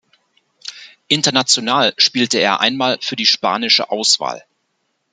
International spielte er einmal für die spanische Auswahl.